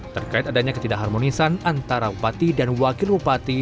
terkait adanya ketidakharmonisan antara upati dan wakil lumpati